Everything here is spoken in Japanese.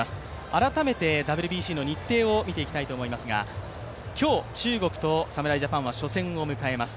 改めて、ＷＢＣの日程を見ていきたいと思いますが、今日、中国と侍ジャパンは初戦を迎えます。